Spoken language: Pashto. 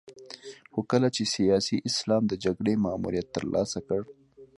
خو کله چې سیاسي اسلام د جګړې ماموریت ترلاسه کړ.